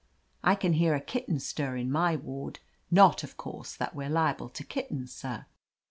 I can hear a kitten stir in my ward — ^not, of course, that we're liable to kittens, sir.